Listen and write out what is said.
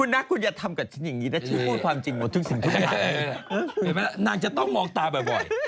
นางจะต้องมองตาบ่อย